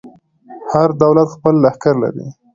هر دولت خپل لښکر لري.